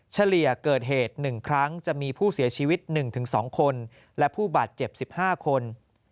เฉลี่ยเกิดเหตุ๑ครั้งจะมีผู้เสียชีวิต๑๒คนและผู้บาดเจ็บ๑๕คน